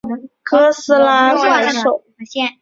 黑多拉是哥斯拉系列电影中出现的一只怪兽。